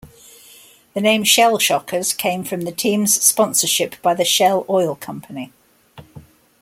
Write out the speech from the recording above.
The name "Shell Shockers" came from the team's sponsorship by the Shell Oil Company.